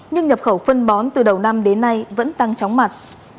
nhưng nhập khẩu phân bón từ đầu năm đến nay vẫn tăng chóng mặt